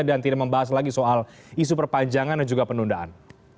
dan tidak membahas lagi soal isu perpanjangan dan juga penundaan